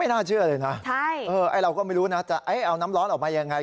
น่าเชื่อเลยนะเราก็ไม่รู้นะจะเอาน้ำร้อนออกมายังไง